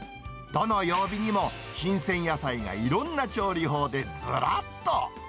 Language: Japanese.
どの曜日にも、新鮮野菜がいろんな調理法でずらっと。